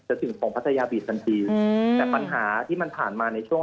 ถึงของพัทยาบีทันทีแต่ปัญหาที่มันผ่านมาในช่วง